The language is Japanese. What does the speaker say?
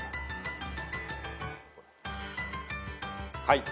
はい。